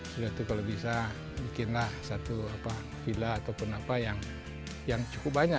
sudah itu kalau bisa bikinlah satu villa ataupun apa yang cukup banyak